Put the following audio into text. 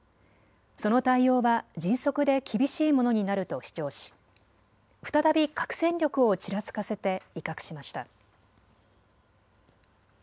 その対応は迅速で厳しいものになると主張し再び核戦力をちらつかせて威嚇しました。